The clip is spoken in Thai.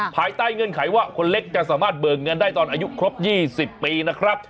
ภายใต้เงื่อนไขว่าคนเล็กจะสามารถเบิกเงินได้ตอนอายุครบ๒๐ปีนะครับ